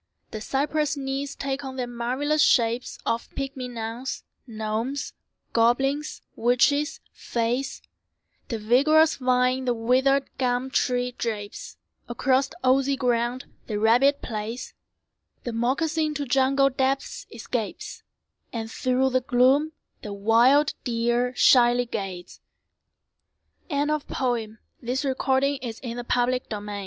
The cypress knees take on them marvellous shapes Of pygmy nuns, gnomes, goblins, witches, fays, The vigorous vine the withered gum tree drapes, Across the oozy ground the rabbit plays, The moccasin to jungle depths escapes, And through the gloom the wild deer shyly gaze. Mary Ashley Townsend Virtuosa AS by the instrument she